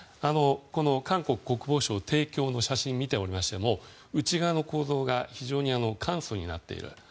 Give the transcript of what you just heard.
韓国国防省提供の写真を見ておりましても内側の構造が非常に簡素になっている。